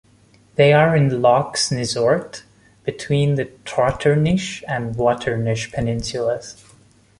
They are in Loch Snizort, between the Trotternish and Waternish peninsulas.